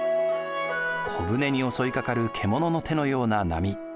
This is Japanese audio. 小舟に襲いかかる獣の手のような波。